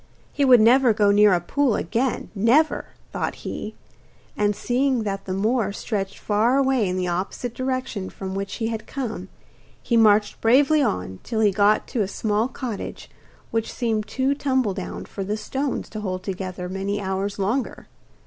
He would never go near a pool again, never, thought he; and seeing that the moor stretched far away in the opposite direction from which he had come, he marched bravely on till he got to a small cottage, which seemed too tumbledown for the stones to hold together many hours longer.